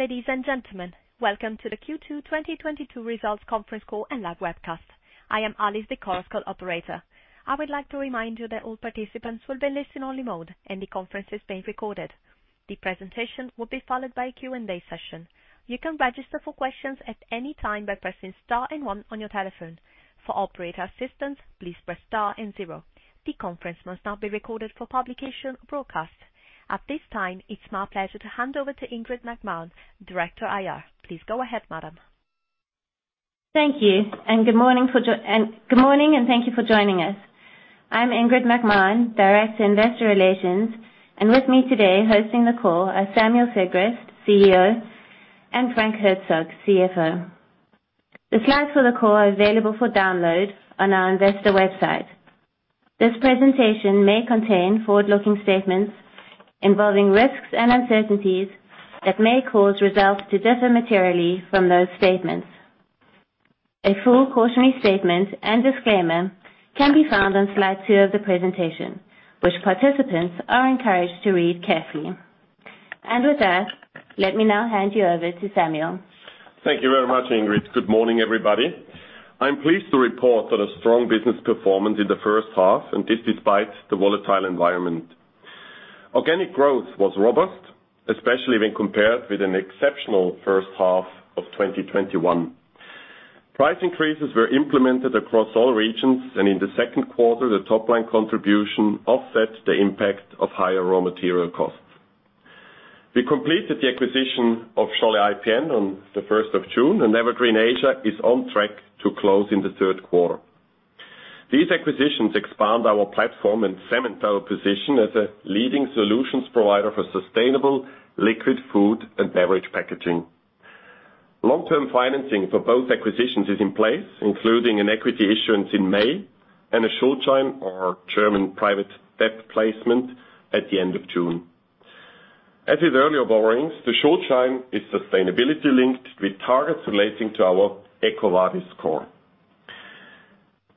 Ladies and gentlemen, welcome to the Q2 2022 results conference call and live webcast. I am Alice, the Chorus Call operator. I would like to remind you that all participants will be in listen-only mode, and the conference is being recorded. The presentation will be followed by a Q&A session. You can register for questions at any time by pressing star and one on your telephone. For operator assistance, please press star and zero. The conference must not be recorded for publication or broadcast. At this time, it's my pleasure to hand over to Ingrid McMahon, Director, IR. Please go ahead, Madam. Thank you. Good morning, and thank you for joining us. I'm Ingrid McMahon, Director, Investor Relations, and with me today hosting the call are Samuel Sigrist, CEO, and Frank Herzog, CFO. The slides for the call are available for download on our Investor website. This presentation may contain forward-looking statements involving risks and uncertainties that may cause results to differ materially from those statements. A full cautionary statement and disclaimer can be found on Slide 2 of the presentation, which participants are encouraged to read carefully. With that, let me now hand you over to Samuel. Thank you very much, Ingrid. Good morning, everybody. I'm pleased to report on a strong business performance in the first half, and this despite the volatile environment. Organic growth was robust, especially when compared with an exceptional first half of 2021. Price increases were implemented across all regions, and in the second quarter, the top line contribution offset the impact of higher raw material costs. We completed the acquisition of Scholle IPN on the first of June, and Evergreen Asia is on track to close in the third quarter. These acquisitions expand our platform and cement our position as a leading solutions provider for sustainable liquid food and beverage packaging. Long-term financing for both acquisitions is in place, including an equity issuance in May and a Schuldschein or German private debt placement at the end of June. As with earlier borrowings, the Schuldschein is sustainability-linked, with targets relating to our EcoVadis score.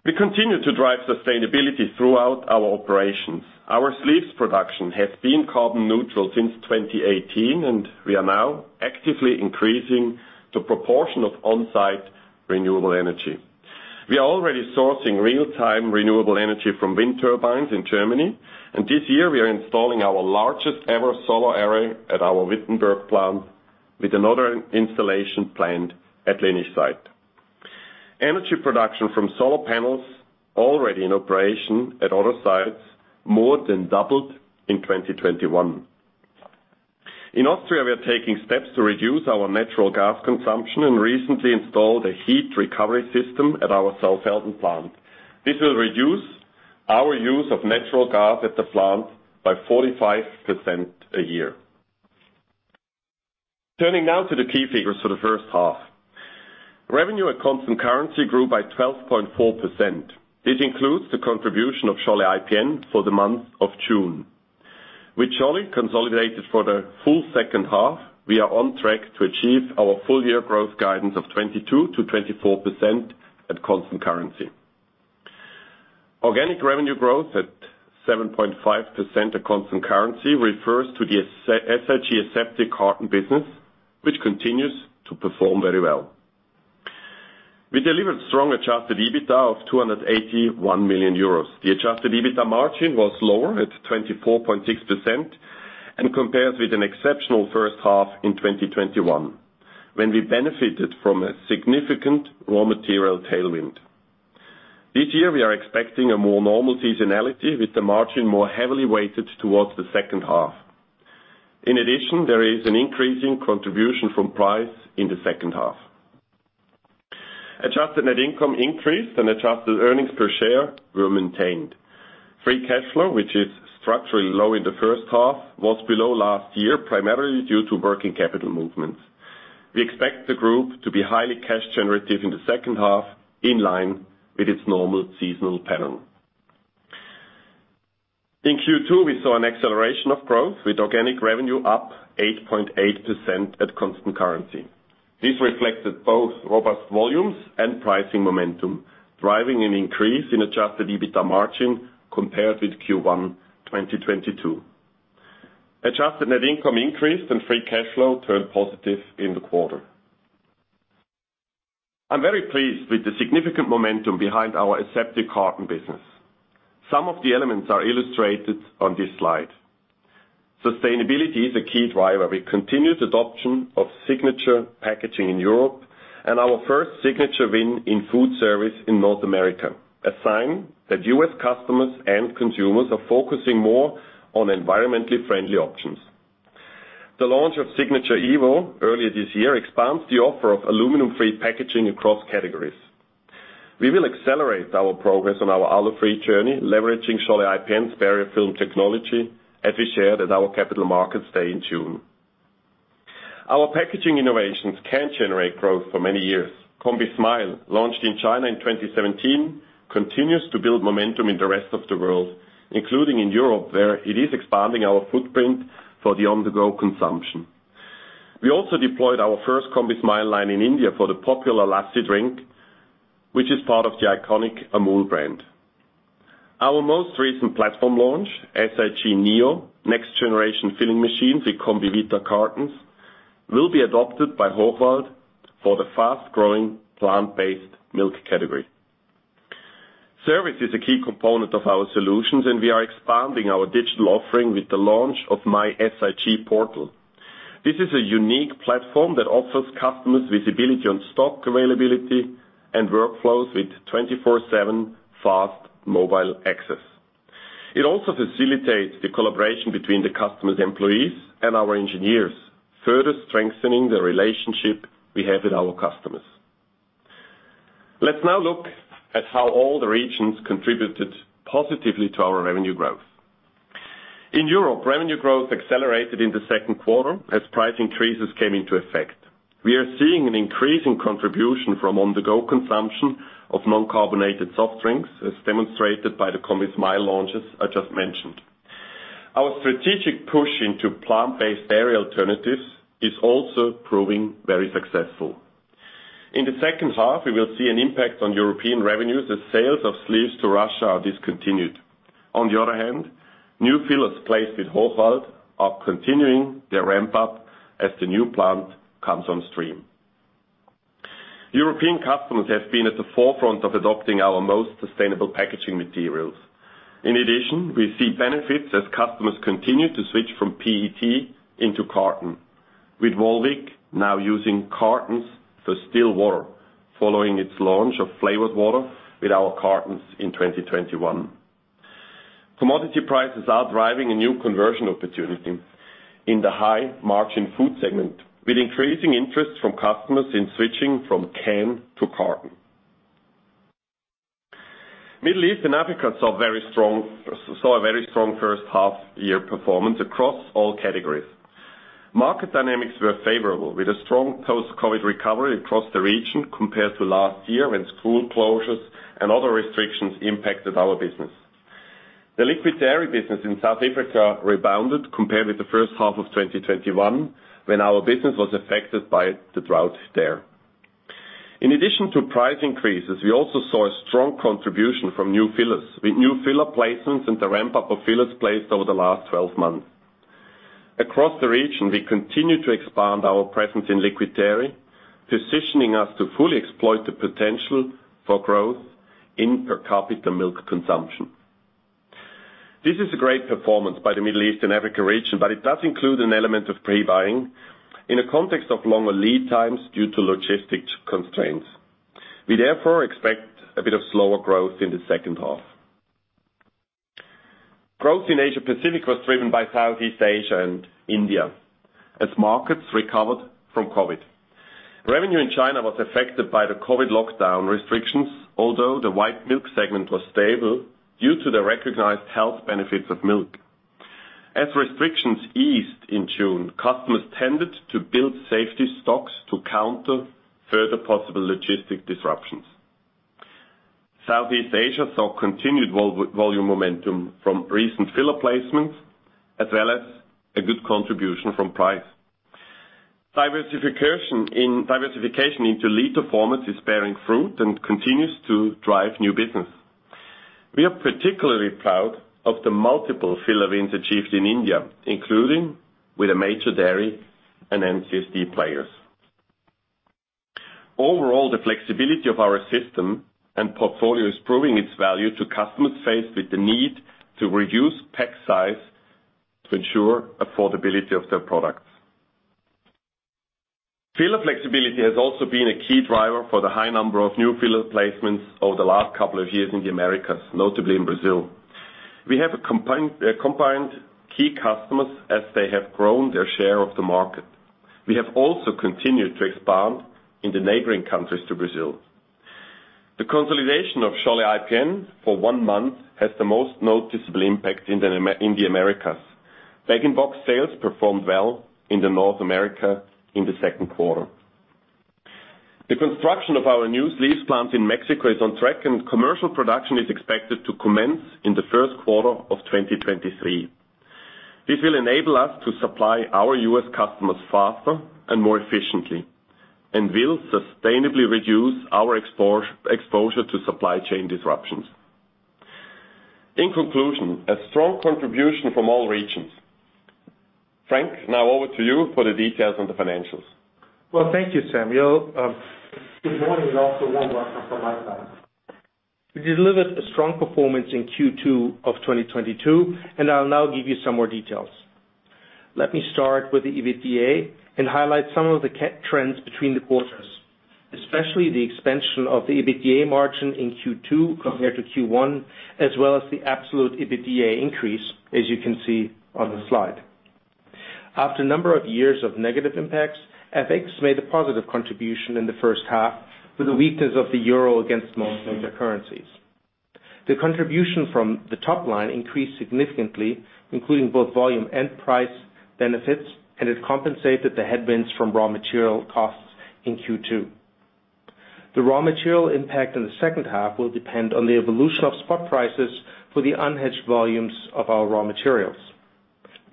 We continue to drive sustainability throughout our operations. Our sleeves production has been carbon neutral since 2018, and we are now actively increasing the proportion of on-site renewable energy. We are already sourcing real-time renewable energy from wind turbines in Germany, and this year we are installing our largest-ever solar array at our Wittenberg plant, with another installation planned at Linnich site. Energy production from solar panels already in operation at other sites more than doubled in 2021. In Austria, we are taking steps to reduce our natural gas consumption and recently installed a heat recovery system at our Saalfelden plant. This will reduce our use of natural gas at the plant by 45% a year. Turning now to the key figures for the first half. Revenue at constant currency grew by 12.4%. This includes the contribution of Scholle IPN for the month of June. With Scholle consolidated for the full second half, we are on track to achieve our full year growth guidance of 22%-24% at constant currency. Organic revenue growth at 7.5% at constant currency refers to the SIG aseptic carton business, which continues to perform very well. We delivered strong adjusted EBITDA of 281 million euros. The adjusted EBITDA margin was lower at 24.6% and compares with an exceptional first half in 2021, when we benefited from a significant raw material tailwind. This year we are expecting a more normal seasonality, with the margin more heavily weighted towards the second half. In addition, there is an increasing contribution from price in the second half. Adjusted net income increased and adjusted earnings per share were maintained. Free cash flow, which is structurally low in the first half, was below last year, primarily due to working capital movements. We expect the group to be highly cash generative in the second half, in line with its normal seasonal pattern. In Q2, we saw an acceleration of growth, with organic revenue up 8.8% at constant currency. This reflected both robust volumes and pricing momentum, driving an increase in adjusted EBITDA margin compared with Q1 2022. Adjusted net income increased and free cash flow turned positive in the quarter. I'm very pleased with the significant momentum behind our aseptic carton business. Some of the elements are illustrated on this slide. Sustainability is a key driver with continued adoption of SIGNATURE packaging in Europe and our first SIGNATURE win in food service in North America, a sign that U.S. customers and consumers are focusing more on environmentally friendly options. The launch of SIGNATURE EVO earlier this year expands the offer of aluminum-free packaging across categories. We will accelerate our progress on our Alu-free journey, leveraging Scholle IPN's barrier film technology, as we shared at our Capital Markets Day in June. Our packaging innovations can generate growth for many years. combismile, launched in China in 2017, continues to build momentum in the rest of the world, including in Europe, where it is expanding our footprint for the on-the-go consumption. We also deployed our first combismile line in India for the popular Lassi drink, which is part of the iconic Amul brand. Our most recent platform launch, SIG Neo, next generation filling machines with combivita cartons, will be adopted by Hochwald for the fast-growing plant-based milk category. Service is a key component of our solutions, and we are expanding our digital offering with the launch of mySIG PORTAL. This is a unique platform that offers customers visibility on stock availability and workflows with 24/7 fast mobile access. It also facilitates the collaboration between the customer's employees and our engineers, further strengthening the relationship we have with our customers. Let's now look at how all the regions contributed positively to our revenue growth. In Europe, revenue growth accelerated in the second quarter as price increases came into effect. We are seeing an increase in contribution from on-the-go consumption of non-carbonated soft drinks, as demonstrated by the combismile launches I just mentioned. Our strategic push into plant-based dairy alternatives is also proving very successful. In the second half, we will see an impact on European revenues as sales of sleeves to Russia are discontinued. On the other hand, new fillers placed with Hochwald are continuing their ramp up as the new plant comes on stream. European customers have been at the forefront of adopting our most sustainable packaging materials. In addition, we see benefits as customers continue to switch from PET into carton, with Volvic now using cartons for still water following its launch of flavored water with our cartons in 2021. Commodity prices are driving a new conversion opportunity in the high margin food segment, with increasing interest from customers in switching from can to carton. Middle East and Africa saw a very strong first half year performance across all categories. Market dynamics were favorable, with a strong post-COVID recovery across the region compared to last year when school closures and other restrictions impacted our business. The liquid dairy business in South Africa rebounded compared with the first half of 2021, when our business was affected by the drought there. In addition to price increases, we also saw a strong contribution from new fillers, with new filler placements and the ramp-up of fillers placed over the last 12 months. Across the region, we continue to expand our presence in liquid dairy, positioning us to fully exploit the potential for growth in per capita milk consumption. This is a great performance by the Middle East and Africa region, but it does include an element of pre-buying in a context of longer lead times due to logistics constraints. We therefore expect a bit of slower growth in the second half. Growth in Asia Pacific was driven by Southeast Asia and India as markets recovered from COVID. Revenue in China was affected by the COVID lockdown restrictions, although the white milk segment was stable due to the recognized health benefits of milk. As restrictions eased in June, customers tended to build safety stocks to counter further possible logistic disruptions. Southeast Asia saw continued volume momentum from recent filler placements, as well as a good contribution from price. Diversification into lead performance is bearing fruit and continues to drive new business. We are particularly proud of the multiple filler wins achieved in India, including with a major dairy and FMCG players. Overall, the flexibility of our system and portfolio is proving its value to customers faced with the need to reduce pack size to ensure affordability of their products. Filler flexibility has also been a key driver for the high number of new filler placements over the last couple of years in the Americas, notably in Brazil. We have combined key customers as they have grown their share of the market. We have also continued to expand in the neighboring countries to Brazil. The consolidation of Scholle IPN for one month has the most noticeable impact in the Americas. Bag-in-box sales performed well in North America in the second quarter. The construction of our new sleeves plant in Mexico is on track, and commercial production is expected to commence in the first quarter of 2023. This will enable us to supply our U.S. customers faster and more efficiently, and will sustainably reduce our exposure to supply chain disruptions. In conclusion, a strong contribution from all regions. Frank, now over to you for the details on the financials. Well, thank you, Samuel. Good morning, and also warm welcome from my side. We delivered a strong performance in Q2 of 2022, and I'll now give you some more details. Let me start with the EBITDA and highlight some of the trends between the quarters, especially the expansion of the EBITDA margin in Q2 compared to Q1, as well as the absolute EBITDA increase, as you can see on the slide. After a number of years of negative impacts, FX made a positive contribution in the first half with the weakness of the euro against most major currencies. The contribution from the top line increased significantly, including both volume and price benefits, and it compensated the headwinds from raw material costs in Q2. The raw material impact in the second half will depend on the evolution of spot prices for the unhedged volumes of our raw materials.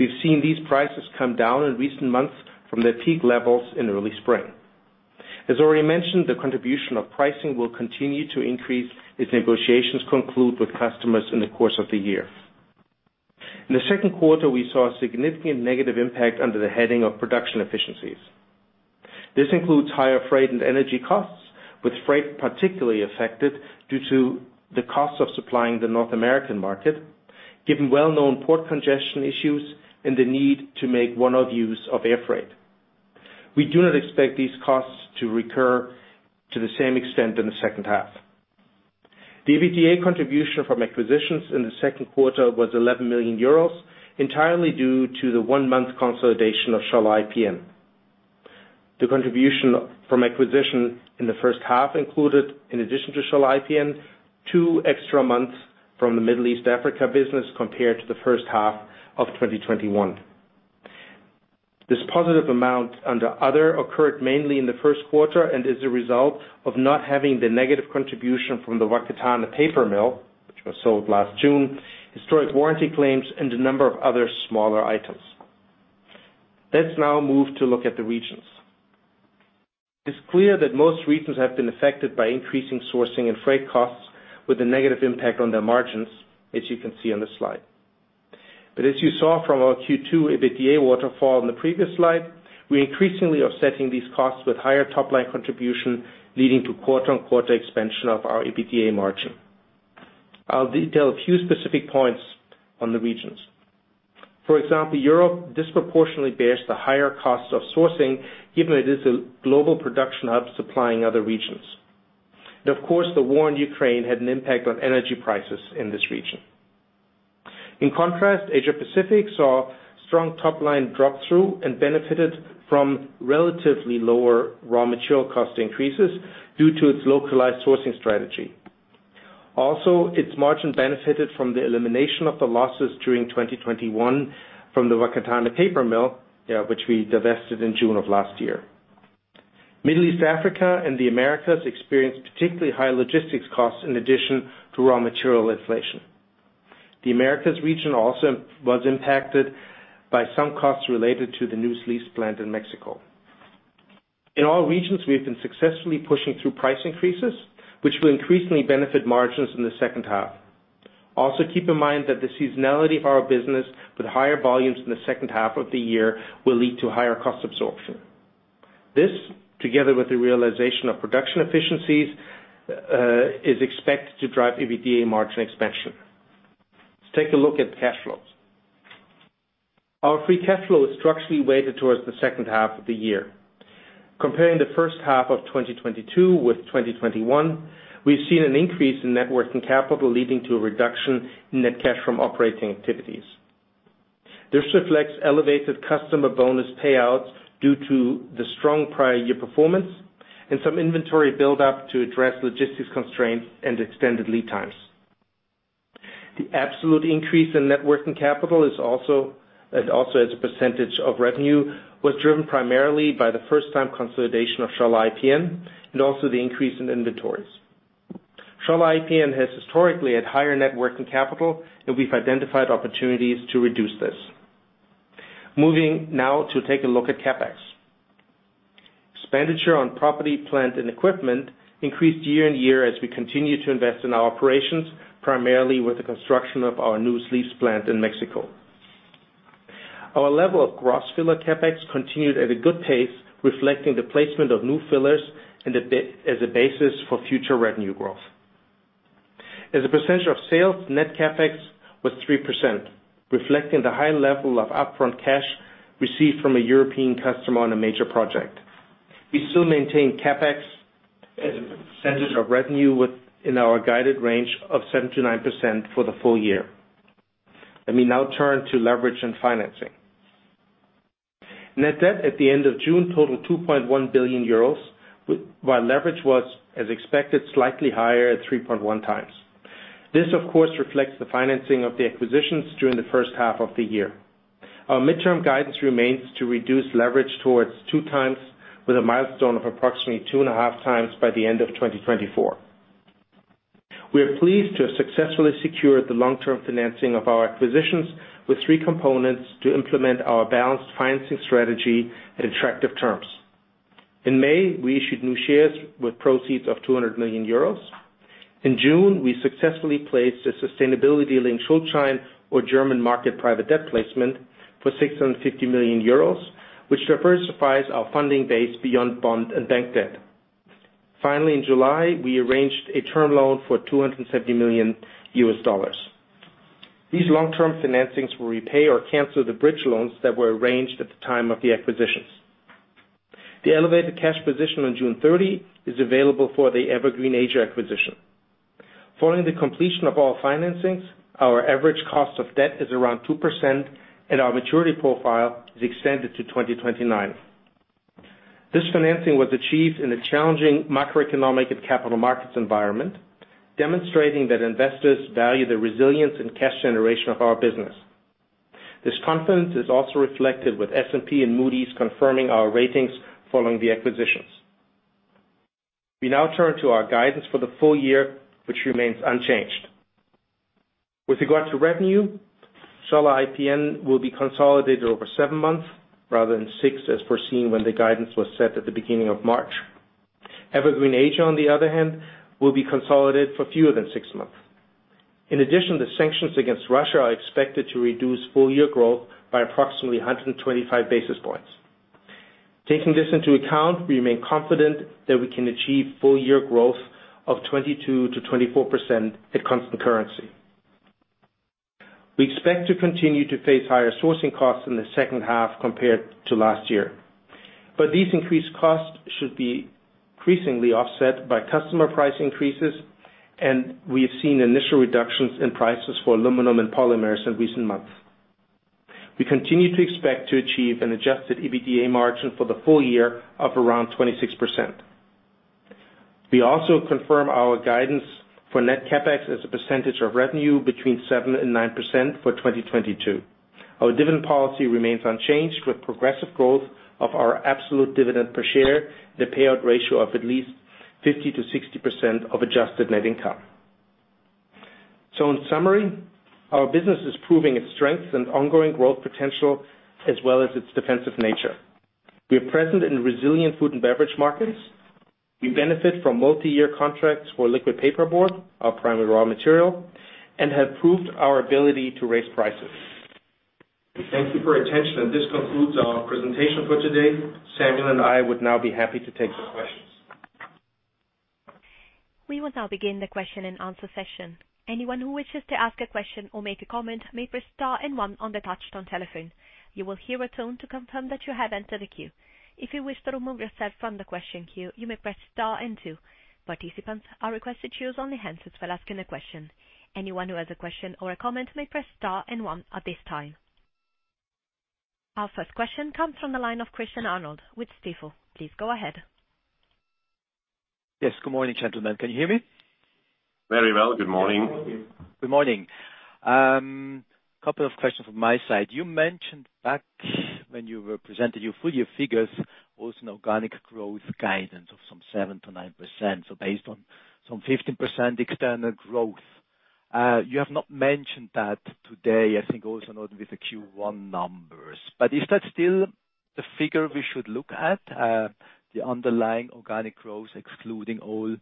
We've seen these prices come down in recent months from their peak levels in early spring. As already mentioned, the contribution of pricing will continue to increase as negotiations conclude with customers in the course of the year. In the second quarter, we saw a significant negative impact under the heading of production efficiencies. This includes higher freight and energy costs, with freight particularly affected due to the cost of supplying the North American market, given well-known port congestion issues and the need to make one-off use of air freight. We do not expect these costs to recur to the same extent in the second half. The EBITDA contribution from acquisitions in the second quarter was 11 million euros, entirely due to the one-month consolidation of Scholle IPN. The contribution from acquisition in the first half included, in addition to Scholle IPN, two extra months from the Middle East, Africa business compared to the first half of 2021. This positive amount under other occurred mainly in the first quarter and is a result of not having the negative contribution from the Whakatane paper mill, which was sold last June, historic warranty claims, and a number of other smaller items. Let's now move to look at the regions. It's clear that most regions have been affected by increasing sourcing and freight costs, with a negative impact on their margins, as you can see on the slide. As you saw from our Q2 EBITDA waterfall on the previous slide, we're increasingly offsetting these costs with higher top-line contribution, leading to quarter-on-quarter expansion of our EBITDA margin. I'll detail a few specific points on the regions. For example, Europe disproportionately bears the higher cost of sourcing, given it is a global production hub supplying other regions. Of course, the war in Ukraine had an impact on energy prices in this region. In contrast, Asia-Pacific saw strong top-line drop-through and benefited from relatively lower raw material cost increases due to its localized sourcing strategy. Also, its margin benefited from the elimination of the losses during 2021 from the Whakatane paper mill, which we divested in June of last year. Middle East, Africa, and the Americas experienced particularly high logistics costs in addition to raw material inflation. The Americas region also was impacted by some costs related to the new sleeves plant in Mexico. In all regions, we have been successfully pushing through price increases, which will increasingly benefit margins in the second half. Keep in mind that the seasonality of our business with higher volumes in the second half of the year will lead to higher cost absorption. This, together with the realization of production efficiencies, is expected to drive EBITDA margin expansion. Let's take a look at cash flows. Our free cash flow is structurally weighted towards the second half of the year. Comparing the first half of 2022 with 2021, we've seen an increase in net working capital, leading to a reduction in net cash from operating activities. This reflects elevated customer bonus payouts due to the strong prior year performance and some inventory buildup to address logistics constraints and extended lead times. The absolute increase in net working capital is also as a percentage of revenue, was driven primarily by the first-time consolidation of Scholle IPN and also the increase in inventories. Scholle IPN has historically had higher net working capital, and we've identified opportunities to reduce this. Moving now to take a look at CapEx. Expenditure on property, plant, and equipment increased year-over-year as we continue to invest in our operations, primarily with the construction of our new sleeves plant in Mexico. Our level of gross filler CapEx continued at a good pace, reflecting the placement of new fillers as a basis for future revenue growth. As a percentage of sales, net CapEx was 3%, reflecting the high level of upfront cash received from a European customer on a major project. We still maintain CapEx as a percentage of revenue within our guided range of 7%-9% for the full year. Let me now turn to leverage and financing. Net debt at the end of June totaled 2.1 billion euros, while leverage was, as expected, slightly higher at 3.1 times. This, of course, reflects the financing of the acquisitions during the first half of the year. Our midterm guidance remains to reduce leverage towards 2x with a milestone of approximately 2.5x by the end of 2024. We are pleased to have successfully secured the long-term financing of our acquisitions with three components to implement our balanced financing strategy at attractive terms. In May, we issued new shares with proceeds of 200 million euros. In June, we successfully placed a sustainability-linked Schuldschein or German market private debt placement for 650 million euros, which diversifies our funding base beyond bond and bank debt. Finally, in July, we arranged a term loan for $270 million. These long-term financings will repay or cancel the bridge loans that were arranged at the time of the acquisitions. The elevated cash position on June 30 is available for the Evergreen Asia acquisition. Following the completion of all financings, our average cost of debt is around 2%, and our maturity profile is extended to 2029. This financing was achieved in a challenging macroeconomic and capital markets environment, demonstrating that investors value the resilience and cash generation of our business. This confidence is also reflected with S&P and Moody's confirming our ratings following the acquisitions. We now turn to our guidance for the full year, which remains unchanged. With regard to revenue, Scholle IPN will be consolidated over seven months rather than six, as foreseen when the guidance was set at the beginning of March. Evergreen Asia, on the other hand, will be consolidated for fewer than six months. In addition, the sanctions against Russia are expected to reduce full year growth by approximately 125 basis points. Taking this into account, we remain confident that we can achieve full year growth of 22%-24% at constant currency. We expect to continue to face higher sourcing costs in the second half compared to last year, but these increased costs should be increasingly offset by customer price increases, and we have seen initial reductions in prices for aluminum and polymers in recent months. We continue to expect to achieve an adjusted EBITDA margin for the full year of around 26%. We also confirm our guidance for net CapEx as a percentage of revenue between 7% and 9% for 2022. Our dividend policy remains unchanged with progressive growth of our absolute dividend per share, the payout ratio of at least 50%-60% of adjusted net income. In summary, our business is proving its strength and ongoing growth potential as well as its defensive nature. We are present in resilient food and beverage markets. We benefit from multi-year contracts for liquid paper board, our primary raw material, and have proved our ability to raise prices. Thank you for your attention, and this concludes our presentation for today. Samuel and I would now be happy to take the questions. We will now begin the question and answer session. Anyone who wishes to ask a question or make a comment may press star and one on the touch-tone telephone. You will hear a tone to confirm that you have entered the queue. If you wish to remove yourself from the question queue, you may press star and two. Participants are requested to use only handsets while asking a question. Anyone who has a question or a comment may press star and one at this time. Our first question comes from the line of Christian Arnold with Stifel. Please go ahead. Yes. Good morning, gentlemen. Can you hear me? Very well. Good morning. Good morning. Couple of questions from my side. You mentioned back when you were presenting your full year figures, also an organic growth guidance of some 7%-9%. Based on some 15% external growth. You have not mentioned that today, I think also not with the Q1 numbers. But is that still the figure we should look at? The underlying organic growth, excluding all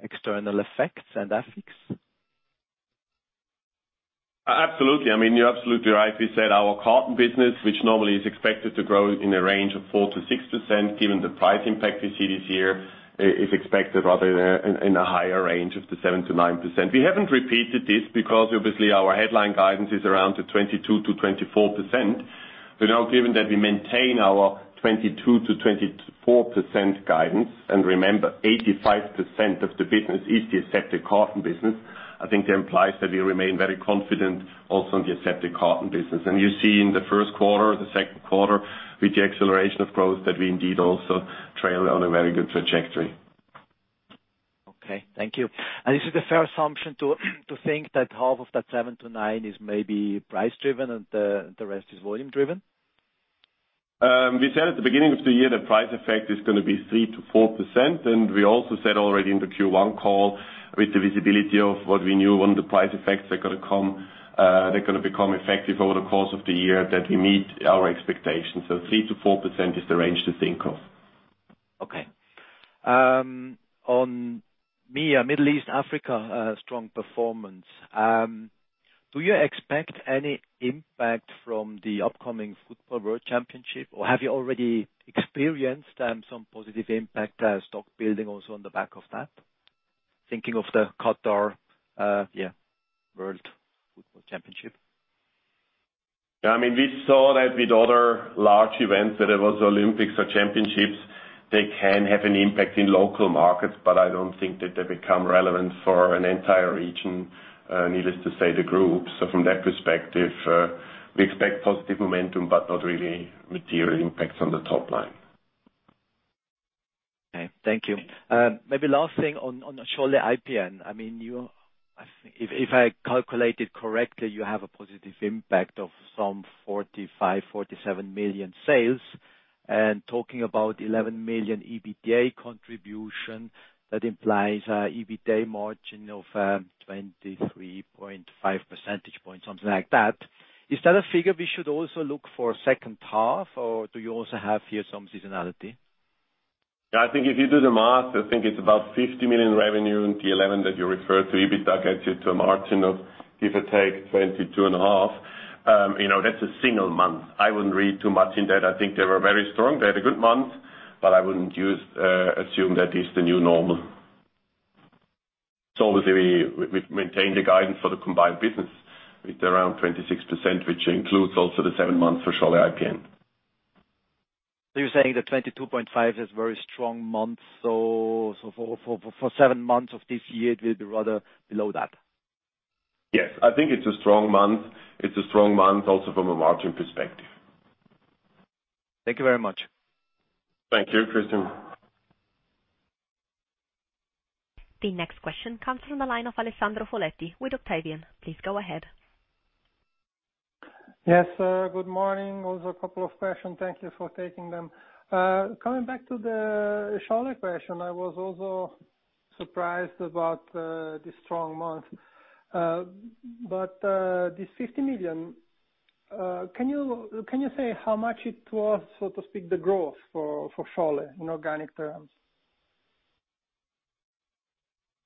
external effects and acquisitions? Absolutely. I mean, you're absolutely right. We said our carton business, which normally is expected to grow in a range of 4%-6% given the price impact we see this year, is expected rather in a higher range of the 7%-9%. We haven't repeated this because obviously our headline guidance is around the 22%-24%. Now given that we maintain our 22%-24% guidance and remember 85% of the business is the aseptic carton business, I think that implies that we remain very confident also in the aseptic carton business. You see in the first quarter, the second quarter, with the acceleration of growth, that we indeed also are on a very good trajectory. Okay. Thank you. Is it a fair assumption to think that half of that 7%-9% is maybe price driven and the rest is volume driven? We said at the beginning of the year, the price effect is gonna be 3%-4%, and we also said already in the Q1 call with the visibility of what we knew on the price effects that are gonna come, they're gonna become effective over the course of the year that we meet our expectations. 3%-4% is the range to think of. Okay. On MEA, Middle East Africa, strong performance. Do you expect any impact from the upcoming football world championship, or have you already experienced some positive impact, stock building also on the back of that? Thinking of the Qatar World Football Championship. I mean, we saw that with other large events, whether it was Olympics or championships, they can have an impact in local markets, but I don't think that they become relevant for an entire region, needless to say, the Group. From that perspective, we expect positive momentum but not really material impacts on the top line. Okay. Thank you. Maybe last thing on Scholle IPN. I mean, if I calculated correctly, you have a positive impact of some 45 million-47 million sales. Talking about 11 million EBITDA contribution, that implies an EBITDA margin of 23.5 percentage point, something like that. Is that a figure we should also look for second half, or do you also have here some seasonality? I think if you do the math, I think it's about 50 million revenue in [Q11] that you referred to. EBITDA gets you to a margin of, give or take, 22.5%. You know, that's a single month. I wouldn't read too much in that. I think they were very strong. They had a good month, but I wouldn't use, assume that is the new normal. Obviously, we maintain the guidance for the combined business with around 26%, which includes also the seven months for Scholle IPN. You're saying the 22.5% is very strong month, so for seven months of this year, it will be rather below that? Yes. I think it's a strong month. It's a strong month also from a margin perspective. Thank you very much. Thank you, Christian. The next question comes from the line of Alessandro Foletti with Octavian. Please go ahead. Yes, sir. Good morning. Also a couple of questions. Thank you for taking them. Coming back to the Scholle question, I was also surprised about the strong month. This 50 million, can you say how much it was, so to speak, the growth for Scholle in organic terms?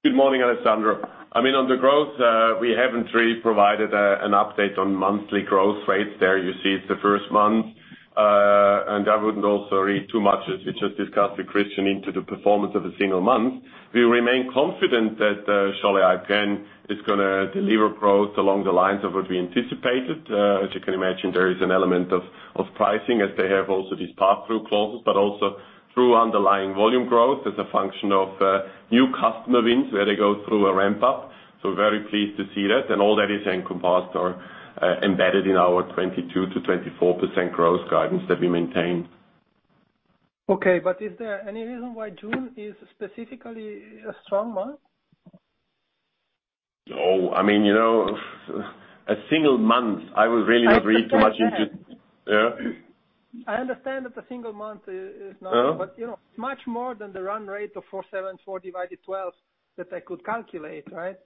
Good morning, Alessandro. I mean, on the growth, we haven't really provided an update on monthly growth rates. There you see it's the first month. I wouldn't also read too much, as we just discussed with Christian, into the performance of a single month. We remain confident that Scholle IPN is gonna deliver growth along the lines of what we anticipated. As you can imagine, there is an element of pricing as they have also these pass-through clauses, but also through underlying volume growth as a function of new customer wins where they go through a ramp up. Very pleased to see that, and all that is encompassed or embedded in our 22%-24% growth guidance that we maintain. Okay. Is there any reason why June is specifically a strong month? No. I mean, you know, a single month, I would really not read too much into. I understand that. I understand that a single month is not. You know, much more than the run rate of 474 million divided 12 that I could calculate, right?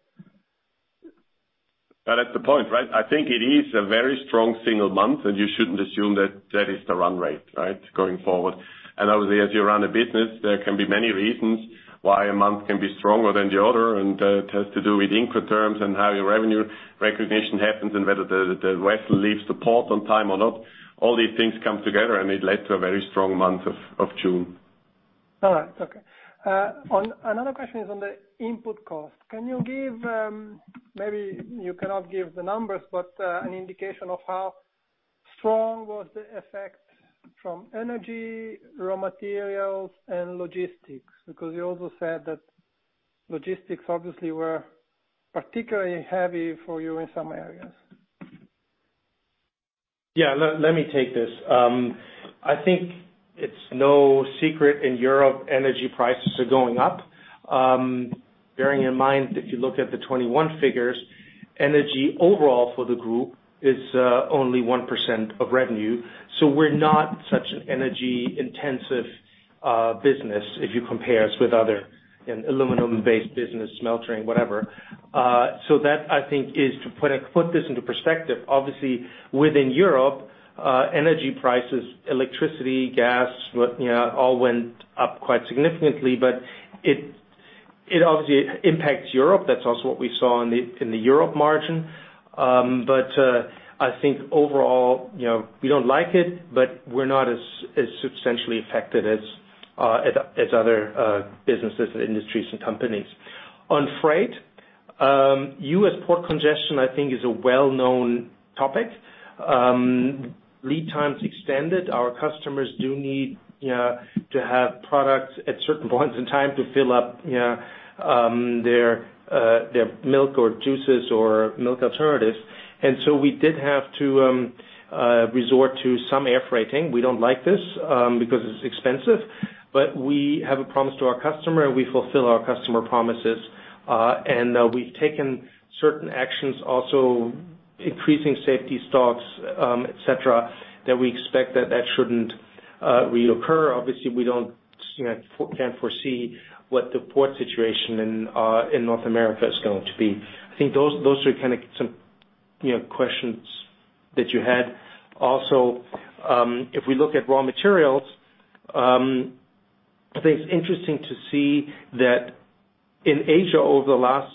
That's the point, right? I think it is a very strong single month, and you shouldn't assume that that is the run rate, right? Going forward. Obviously, as you run a business, there can be many reasons why a month can be stronger than the other, and it has to do with Incoterms and how your revenue recognition happens and whether the vessel leaves the port on time or not. All these things come together, and it led to a very strong month of June. All right. Okay. Another question is on the input cost. Can you give, maybe you cannot give the numbers, but, an indication of how strong was the effect from energy, raw materials and logistics? Because you also said that logistics obviously were particularly heavy for you in some areas. Let me take this. I think it's no secret in Europe energy prices are going up. Bearing in mind, if you look at the 2021 figures, energy overall for the group is only 1% of revenue. So we're not such an energy-intensive business if you compare us with other aluminum-based business, smelting, whatever. So that I think is to put this into perspective, obviously within Europe, energy prices, electricity, gas, you know, all went up quite significantly. It obviously impacts Europe. That's also what we saw in the Europe margin. I think overall, you know, we don't like it, but we're not as substantially affected as other businesses and industries and companies. On freight, U.S. port congestion, I think is a well-known topic. Lead times extended. Our customers do need, you know, to have products at certain points in time to fill up, you know, their milk or juices or milk alternatives. We did have to resort to some air freighting. We don't like this because it's expensive, but we have a promise to our customer, and we fulfill our customer promises. We've taken certain actions, also increasing safety stocks, et cetera, that we expect that shouldn't reoccur. Obviously, we don't, you know, can foresee what the port situation in North America is going to be. I think those are kinda some, you know, questions that you had. Also, if we look at raw materials, I think it's interesting to see that in Asia over the last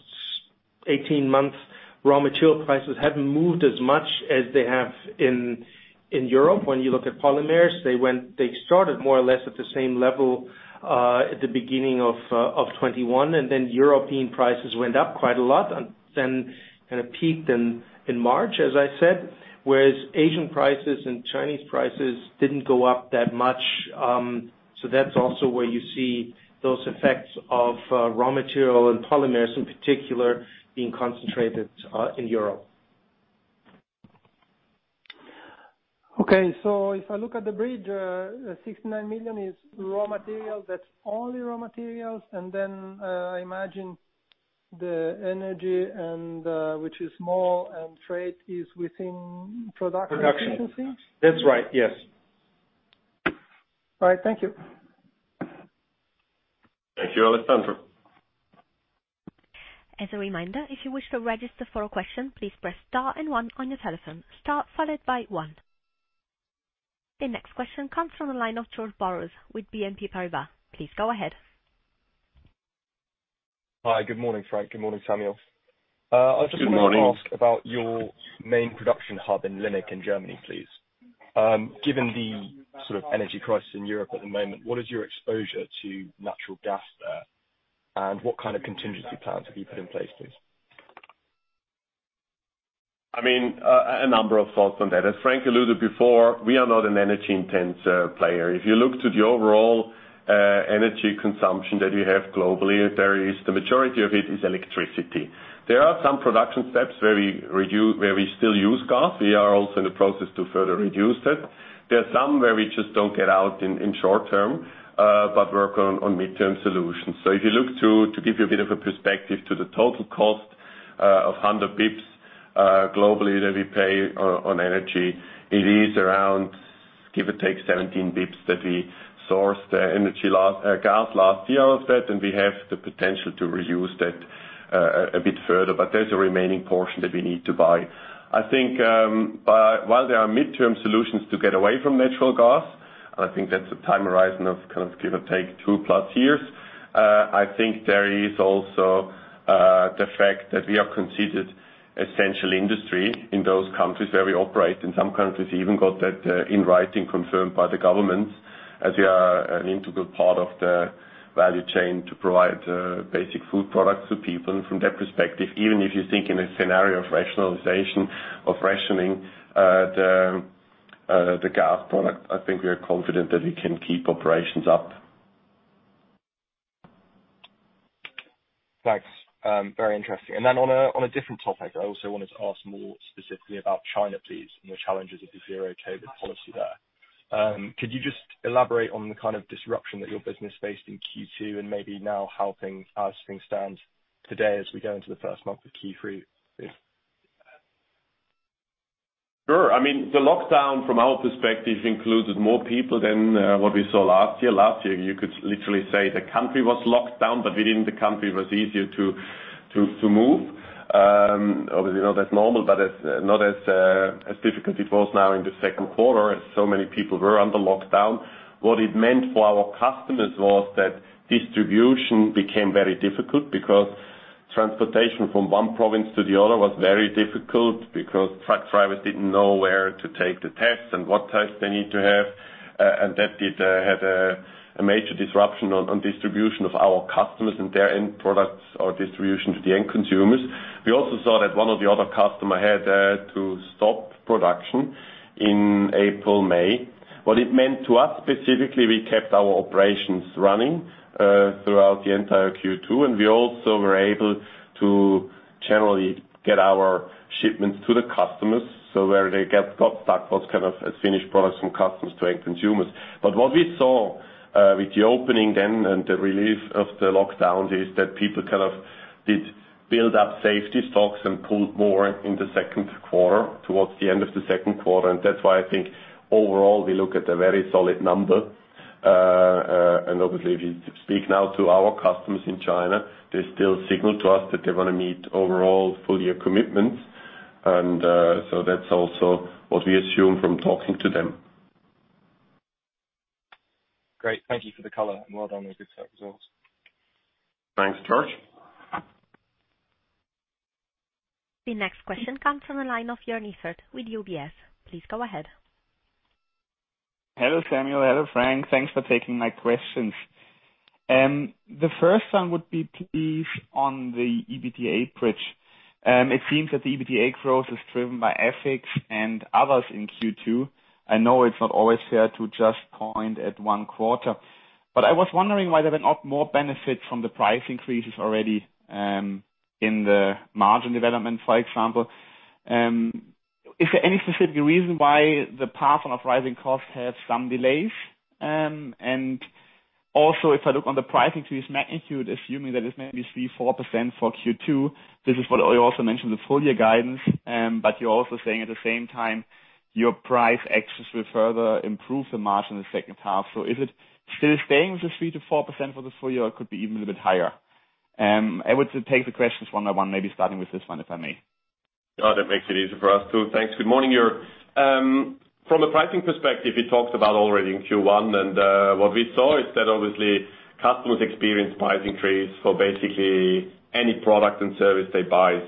18 months, raw material prices haven't moved as much as they have in Europe. When you look at polymers, they started more or less at the same level at the beginning of 2021, and then European prices went up quite a lot and then kinda peaked in March, as I said. Whereas Asian prices and Chinese prices didn't go up that much, so that's also where you see those effects of raw material and polymers in particular being concentrated in Europe. Okay. If I look at the bridge, 69 million is raw material. That's only raw materials. I imagine the energy and, which is small and freight is within production. Production. -efficiency. That's right, yes. All right. Thank you. Thank you, Alessandro. As a reminder, if you wish to register for a question, please press star and one on your telephone. Star followed by one. The next question comes from the line of George Burrows with BNP Paribas. Please go ahead. Hi. Good morning, Frank. Good morning, Samuel. Good morning. I just wanna ask about your main production hub in Linnich, in Germany, please. Given the sort of energy crisis in Europe at the moment, what is your exposure to natural gas there? What kind of contingency plans have you put in place, please? I mean, a number of thoughts on that. As Frank alluded before, we are not an energy-intense player. If you look to the overall energy consumption that we have globally, there is the majority of it is electricity. There are some production steps where we still use gas. We are also in the process to further reduce that. There are some where we just don't get out in short-term, but work on mid-term solutions. If you look to give you a bit of a perspective to the total costs 100 bps globally that we pay on energy. It is around, give or take, 17 bps that we sourced gas last year of that, and we have the potential to reuse that a bit further. There's a remaining portion that we need to buy. I think while there are midterm solutions to get away from natural gas, and I think that's a time horizon of kind of give or take 2+ years. I think there is also the fact that we are considered essential industry in those countries where we operate. In some countries, we even got that in writing confirmed by the government, as we are an integral part of the value chain to provide basic food products to people. From that perspective, even if you think in a scenario of rationalization or rationing the gas product, I think we are confident that we can keep operations up. Thanks. Very interesting. On a different topic, I also wanted to ask more specifically about China, please, and the challenges of the zero-COVID policy there. Could you just elaborate on the kind of disruption that your business faced in Q2 and maybe now how things stand today as we go into the first month of Q3? Sure. I mean, the lockdown from our perspective included more people than what we saw last year. Last year, you could literally say the country was locked down, but within the country it was easier to move. Obviously, not as normal, but not as difficult as it was now in the second quarter, as so many people were under lockdown. What it meant for our customers was that distribution became very difficult because transportation from one province to the other was very difficult because truck drivers didn't know where to take the tests and what tests they need to have. That did have a major disruption on distribution of our customers and their end products or distribution to the end consumers. We also saw that one of the other customer had to stop production in April, May. What it meant to us specifically, we kept our operations running throughout the entire Q2, and we also were able to generally get our shipments to the customers, so where they got stuck was kind of as finished products from customers to end consumers. What we saw with the opening then and the relief of the lockdowns is that people kind of did build up safety stocks and pulled more in the second quarter, towards the end of the second quarter, and that's why I think overall we look at a very solid number. Obviously if you speak now to our customers in China, they still signal to us that they wanna meet overall full-year commitments. That's also what we assume from talking to them. Great. Thank you for the color, and well done on those good set results. Thanks, George. The next question comes from the line of Joern Iffert with UBS. Please go ahead. Hello, Samuel. Hello, Frank. Thanks for taking my questions. The first one would be please on the EBITDA bridge. It seems that the EBITDA growth is driven by FX and others in Q2. I know it's not always fair to just point at one quarter. I was wondering why there were not more benefits from the price increases already, in the margin development, for example. Is there any specific reason why the pass-through on our pricing costs have some delays? And also if I look on the pricing to this magnitude, assuming that it's maybe 3%-4% for Q2, this is what you also mentioned the full year guidance, but you're also saying at the same time, your price actions will further improve the margin in the second half. Is it still staying with the 3%-4% for this full year, or could be even a little bit higher? I would take the questions one by one, maybe starting with this one, if I may. Oh, that makes it easier for us, too. Thanks. Good morning, Joern. From a pricing perspective, we talked about already in Q1, and what we saw is that obviously customers experienced price increase for basically any product and service they buy.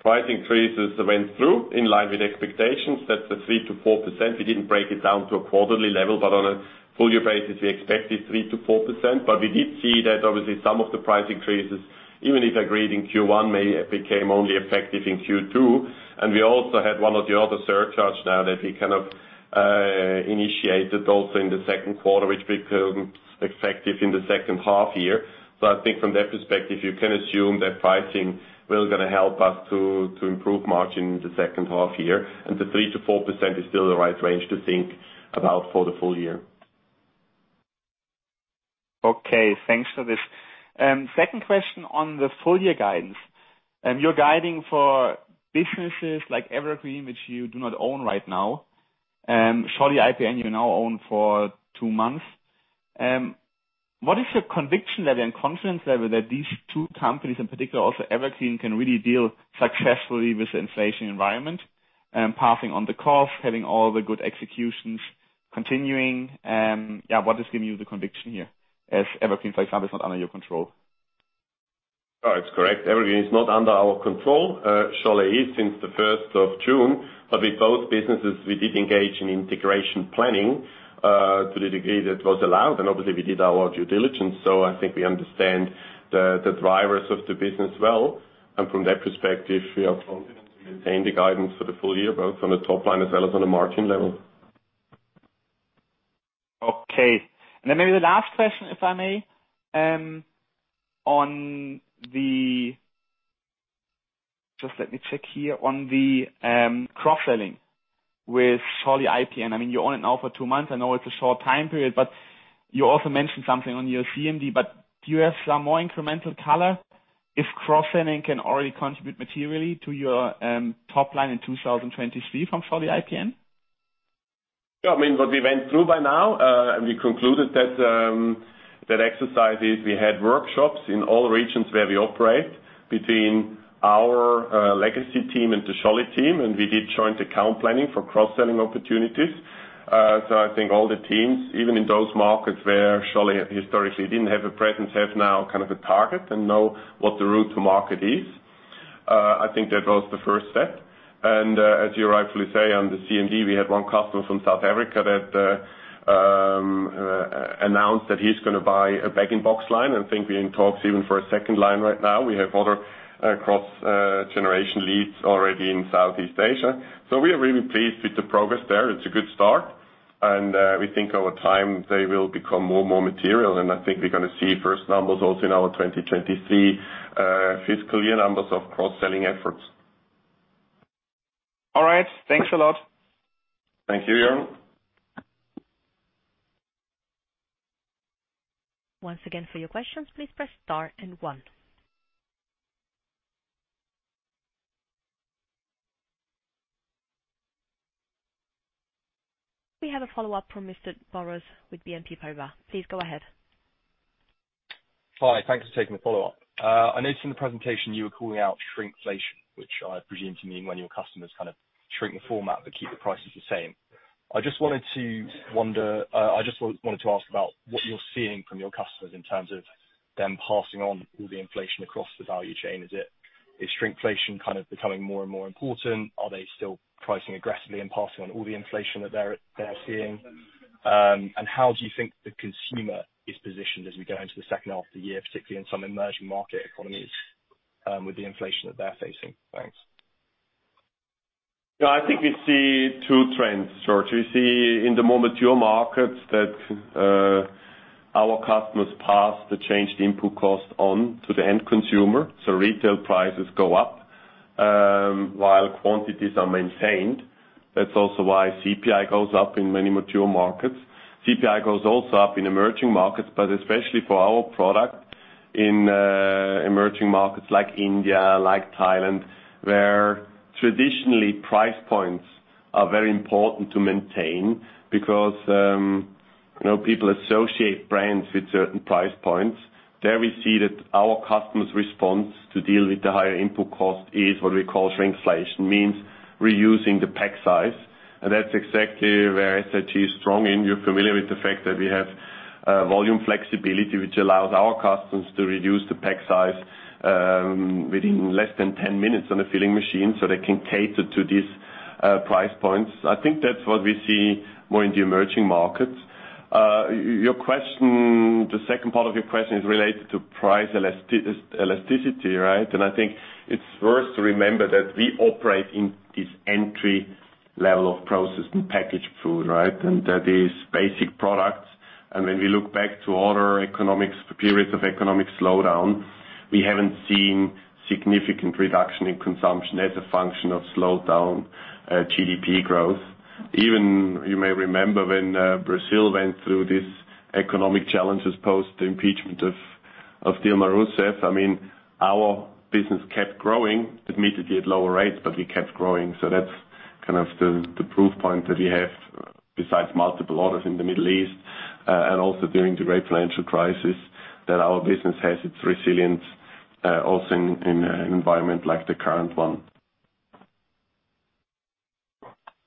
Pricing increases went through in line with expectations. That's the 3%-4%. We didn't break it down to a quarterly level, but on a full year basis, we expect it 3%-4%. We did see that obviously some of the price increases, even if agreed in Q1, may have become only effective in Q2. We also had one of the other surcharge now that we kind of initiated also in the second quarter, which became effective in the second half year. I think from that perspective, you can assume that pricing will gonna help us to improve margin in the second half year. The 3%-4% is still the right range to think about for the full year. Okay. Thanks for this. Second question on the full year guidance. You're guiding for businesses like Evergreen, which you do not own right now. Scholle IPN you now own for two months. What is your conviction level and confidence level that these two companies in particular, also Evergreen, can really deal successfully with the inflation environment, passing on the costs, having all the good executions continuing? What is giving you the conviction here as Evergreen, for example, is not under your control? Oh, it's correct. Evergreen is not under our control. Scholle is since the first of June, but with both businesses, we did engage in integration planning to the degree that was allowed, and obviously we did our due diligence. I think we understand the drivers of the business well, and from that perspective, we are confident we maintain the guidance for the full year, both on the top line as well as on the margin level. Okay. Maybe the last question, if I may. Just let me check here on the cross-selling. With Scholle IPN. I mean, you own it now for two months. I know it's a short time period, but you also mentioned something on your CMD, but do you have some more incremental color if cross-selling can already contribute materially to your top line in 2023 from Scholle IPN? Yeah. I mean, what we went through by now, and we concluded that that exercise is we had workshops in all regions where we operate between our legacy team and the Scholle team, and we did joint account planning for cross-selling opportunities. I think all the teams, even in those markets where Scholle historically didn't have a presence, have now kind of a target and know what the route to market is. I think that was the first step. As you rightfully say, on the CMD, we had one customer from South Africa that announced that he's gonna buy a bag-in-box line, and I think we're in talks even for a second line right now. We have other cross-generation leads already in Southeast Asia. We are really pleased with the progress there. It's a good start. We think over time, they will become more and more material. I think we're gonna see first numbers also in our 2023 fiscal year numbers of cross-selling efforts. All right. Thanks a lot. Thank you, Joern. Once again, for your questions, please press star and one. We have a follow-up from Mr. Burrows with BNP Paribas. Please go ahead. Hi. Thanks for taking the follow-up. I noticed in the presentation you were calling out shrinkflation, which I presume to mean when your customers kind of shrink the format but keep the prices the same. I just wanted to ask about what you're seeing from your customers in terms of them passing on all the inflation across the value chain. Is shrinkflation kind of becoming more and more important? Are they still pricing aggressively and passing on all the inflation that they're seeing? How do you think the consumer is positioned as we go into the second half of the year, particularly in some emerging market economies, with the inflation that they're facing? Thanks. Yeah, I think we see two trends, George. We see in the more mature markets that our customers pass the changed input cost on to the end consumer. Retail prices go up, while quantities are maintained. That's also why CPI goes up in many mature markets. CPI goes also up in emerging markets, but especially for our product in emerging markets like India, like Thailand, where traditionally price points are very important to maintain because you know, people associate brands with certain price points. There we see that our customers' response to deal with the higher input cost is what we call shrinkflation. Means reducing the pack size. That's exactly where SIG is strong. You're familiar with the fact that we have volume flexibility, which allows our customers to reduce the pack size within less than 10 minutes on a filling machine, so they can cater to these price points. I think that's what we see more in the emerging markets. Your question, the second part of your question is related to price elasticity, right? I think it's worth to remember that we operate in this entry level of processed and packaged food, right? That is basic products. When we look back to other economic periods of economic slowdown, we haven't seen significant reduction in consumption as a function of slowdown GDP growth. Even you may remember when Brazil went through these economic challenges post the impeachment of Dilma Rousseff. I mean, our business kept growing, admittedly at lower rates, but we kept growing. That's kind of the proof point that we have, besides multiple others in the Middle East, and also during the great financial crisis, that our business has its resilience, also in an environment like the current one.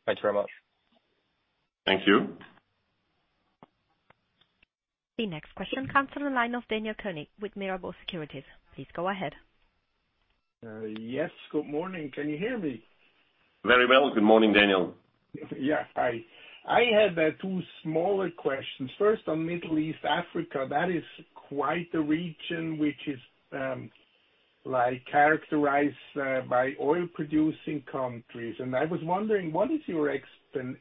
Thanks very much. Thank you. The next question comes from the line of Daniel Koenig with Mirabaud Securities. Please go ahead. Yes, good morning. Can you hear me? Very well. Good morning, Daniel. Yeah. Hi. I had two smaller questions. First, on Middle East Africa, that is quite a region which is like characterized by oil-producing countries. I was wondering, what is your expectation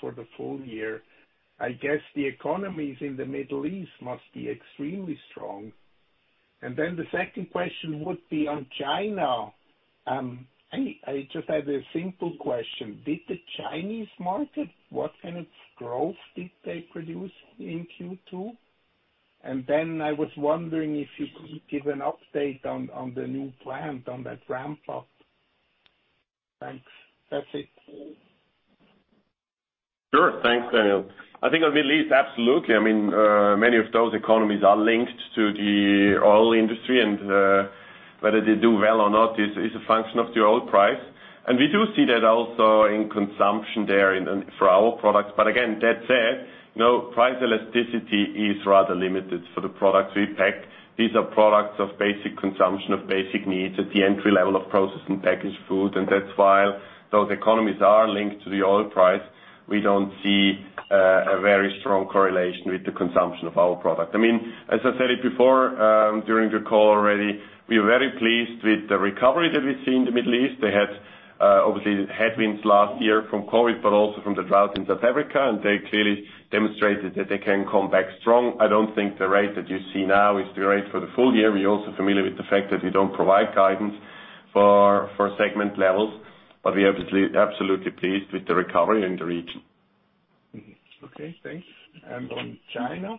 for the full year? I guess the economies in the Middle East must be extremely strong. The second question would be on China. I just had a simple question. Did the Chinese market, what kind of growth did they produce in Q2? I was wondering if you could give an update on the new plant on that ramp-up. Thanks. That's it. Sure. Thanks, Daniel. I think on the Middle East, absolutely. I mean, many of those economies are linked to the oil industry, and whether they do well or not is a function of the oil price. We do see that also in consumption there for our products. Again, that said, you know, price elasticity is rather limited for the products we pack. These are products of basic consumption, of basic needs at the entry level of processed and packaged foods. That's why those economies are linked to the oil price. We don't see a very strong correlation with the consumption of our product. I mean, as I said it before, during the call already, we are very pleased with the recovery that we see in the Middle East. They had obviously headwinds last year from COVID, but also from the drought in South Africa, and they clearly demonstrated that they can come back strong. I don't think the rate that you see now is the rate for the full year. We're also familiar with the fact that we don't provide guidance for segment levels, but we're obviously absolutely pleased with the recovery in the region. Okay, thanks. On China?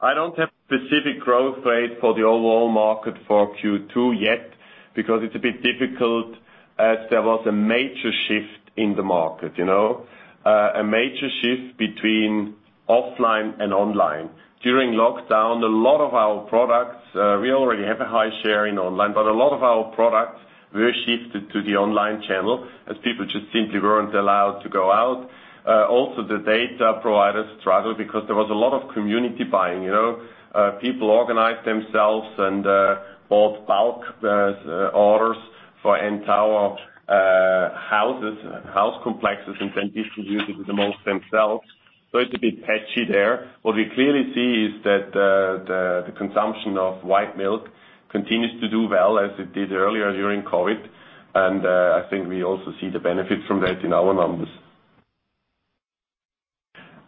I don't have specific growth rate for the overall market for Q2 yet, because it's a bit difficult as there was a major shift in the market, you know, a major shift between offline and online. During lockdown, a lot of our products, we already have a high share in online, but a lot of our products were shifted to the online channel as people just simply weren't allowed to go out. Also the data providers struggled because there was a lot of community buying, you know. People organized themselves and bought bulk orders for entire houses, house complexes, and then distributed amongst themselves. So it's a bit patchy there. What we clearly see is that the consumption of white milk continues to do well as it did earlier during COVID. I think we also see the benefits from that in our numbers.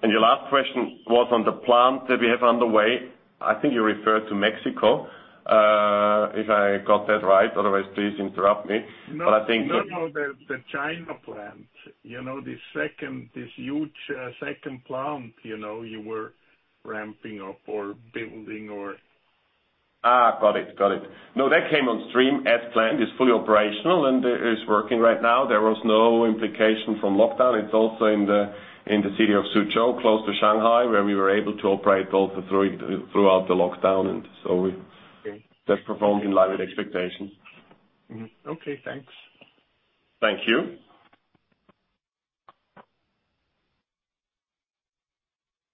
Your last question was on the plant that we have underway. I think you referred to Mexico, if I got that right. Otherwise, please interrupt me. I think- No, no. The China plant. You know, this huge second plant, you know, you were ramping up or building or. Got it. No, that came on stream as planned. It's fully operational, and it is working right now. There was no implication from lockdown. It's also in the city of Suzhou, close to Shanghai, where we were able to operate also throughout the lockdown. Okay. just performed in line with expectations. Okay, thanks. Thank you.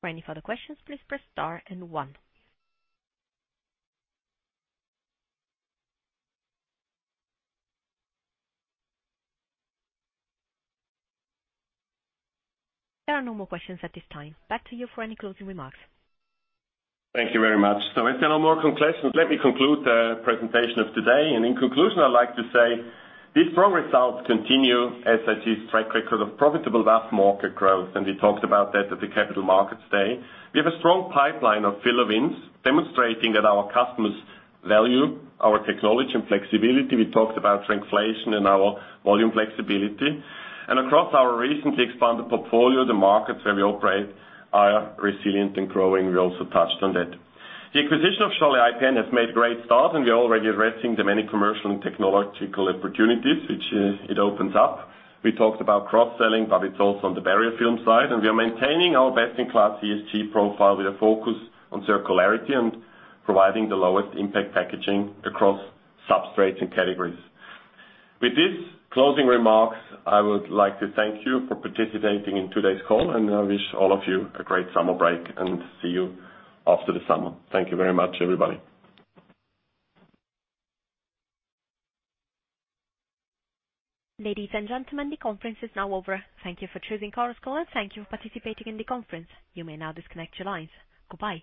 For any further questions, please press star and one. There are no more questions at this time. Back to you for any closing remarks. Thank you very much. If there are no more questions, let me conclude the presentation of today. In conclusion, I'd like to say these strong results continue as I see track record of profitable vast market growth, and we talked about that at the Capital Markets Day. We have a strong pipeline of filler wins, demonstrating that our customers value our technology and flexibility. We talked about shrinkflation and our volume flexibility. Across our recently expanded portfolio, the markets where we operate are resilient and growing. We also touched on that. The acquisition of Scholle IPN has made great start, and we are already addressing the many commercial and technological opportunities which it opens up. We talked about cross-selling, but it's also on the barrier film side. We are maintaining our best-in-class ESG profile with a focus on circularity and providing the lowest impact packaging across substrates and categories. With this closing remarks, I would like to thank you for participating in today's call, and I wish all of you a great summer break, and see you after the summer. Thank you very much, everybody. Ladies and gentlemen, the conference is now over. Thank you for choosing Chorus Call, and thank you for participating in the conference. You may now disconnect your lines. Goodbye.